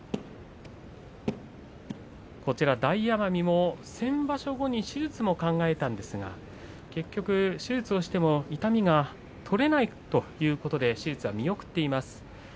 大奄美も先場所後に手術も考えたということですが結局、手術をしても痛みが取れないということで手術は見送っています。